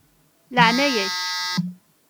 Laεnaya-k.